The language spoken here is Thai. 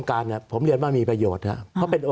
สวัสดีครับทุกคน